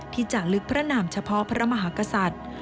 ที่จะลึกพระนามเฉพาะพระมหากษัตริย์